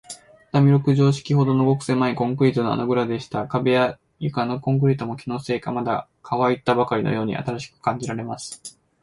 畳六畳敷きほどの、ごくせまいコンクリートの穴ぐらでした。壁や床のコンクリートも、気のせいか、まだかわいたばかりのように新しく感じられます。